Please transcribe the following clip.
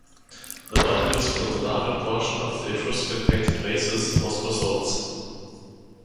The body used for the larger portion of the Etruscan painted vases was basalts.